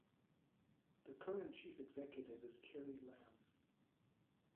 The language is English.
The current Chief Executive is Carrie Lam.